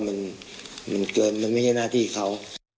มันเกินมันไม่ใช่หน้าที่เขา